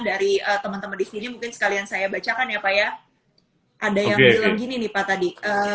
dari teman teman di sini mungkin sekalian saya bacakan ya pak ya ada yang bilang gini nih pak tadi